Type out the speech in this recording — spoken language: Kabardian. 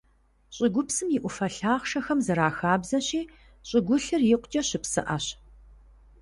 ЩӀыгупсым и Ӏуфэ лъахъшэхэм, зэрахабзэщи, щӀыгулъыр икъукӀэ щыпсыӀэщ.